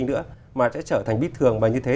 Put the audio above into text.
nữa mà sẽ trở thành bít thường và như thế